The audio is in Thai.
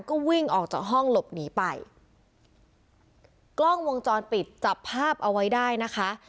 ก็วิ่งออกจากห้องหลบหนีไปกล้องวงจรปิดจับภาพเอาไว้ได้นะคะ